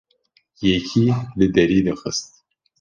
Yekî li derî dixist.